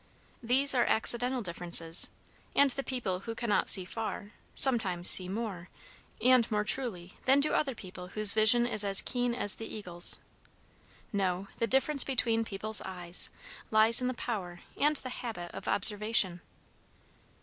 These are accidental differences; and the people who cannot see far, sometimes see more, and more truly, than do other people whose vision is as keen as the eagle's. No, the difference between people's eyes lies in the power and the habit of observation.